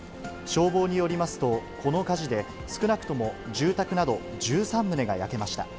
消防によりますと、この火事で、少なくとも住宅など１３棟が焼けました。